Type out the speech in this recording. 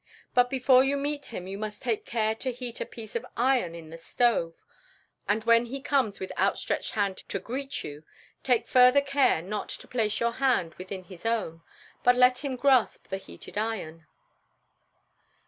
But before you meet him you must take care to heat a piece of iron in the stove, and when he comes with outstretched hand to greet you, take further care not to place your hand within his own, but let him grasp the heated iron."